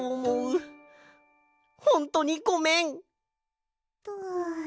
ほんとにごめん！